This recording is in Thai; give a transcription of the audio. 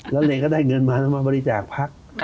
แล้วเลก็ได้เงินมาแล้วมาบริจาคพัก